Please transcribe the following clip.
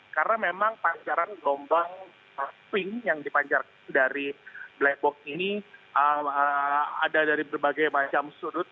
karena memang pancaran lombang swing yang dipancarkan dari black box ini ada dari berbagai macam sudut